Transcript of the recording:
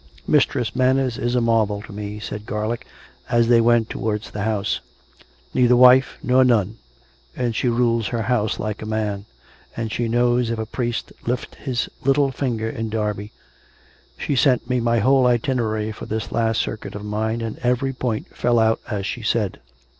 " Mistress Manners is a marvel to me," said Garlick, as they went towards the house. " Neither wife nor nun. And she rules her house like a man; and she knows if a COME, RACK! COME ROPE! 385 priest lift his little finger in Derby. She sent me my whole itinerary for this last circuit of mine; and every point fell out as she said."